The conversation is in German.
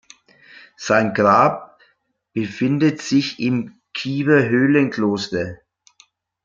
Sein Grab befindet sich im Kiewer Höhlenkloster.